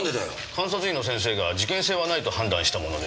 監察医の先生が事件性はないと判断したもので。